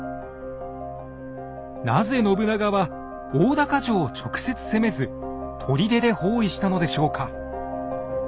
なぜ信長は大高城を直接攻めず砦で包囲したのでしょうか？